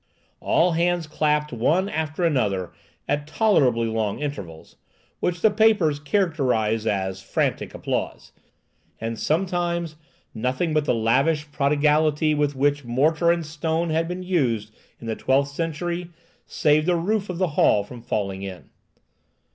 All hands clapped one after another at tolerably long intervals, which the papers characterized as "frantic applause;" and sometimes nothing but the lavish prodigality with which mortar and stone had been used in the twelfth century saved the roof of the hall from falling in.